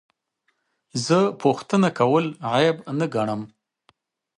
زه پوښتنه کول عیب نه ګڼم.